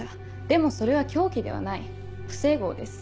でもそれは凶器ではない不整合です。